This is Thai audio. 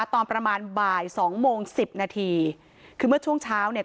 ตอนประมาณบ่ายสองโมงสิบนาทีคือเมื่อช่วงเช้าเนี่ย